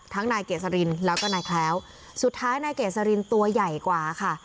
นายเกษรินแล้วก็นายแคล้วสุดท้ายนายเกษรินตัวใหญ่กว่าค่ะ